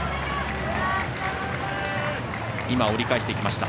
今、折り返していきました。